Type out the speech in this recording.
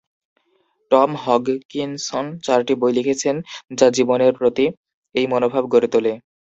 Tom Hodgkinson চারটি বই লিখেছেন যা জীবনের প্রতি এই মনোভাব গড়ে তোলে।